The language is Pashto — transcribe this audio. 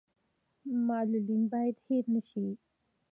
معلولین باید هیر نشي